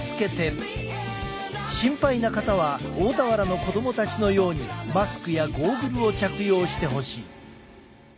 心配な方は大田原の子供たちのようにマスクやゴーグルを着用してほしい。